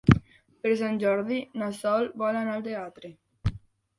Per Sant Jordi na Sol vol anar al teatre.